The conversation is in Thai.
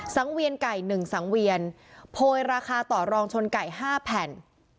สังเวียนไก่๑สังเวียนโพยราคาต่อรองชนไก่๕แผ่น